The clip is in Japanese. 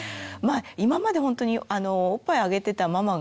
今までほんとにおっぱいあげてたママが例えばですね